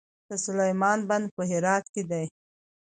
د سلما بند په هرات کې دی